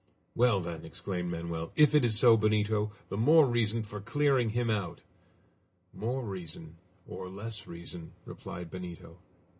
"Well, then," exclaimed Manoel, "if it is so, Benito, the more reason for clearing him out!" "More reason or less reason," replied Benito.